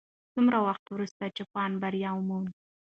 څومره وخت وروسته جاپان بری وموند؟